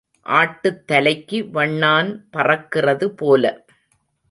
ஆட்டுத் தலைக்கு வண்ணான் பறக்கிறதுபோல.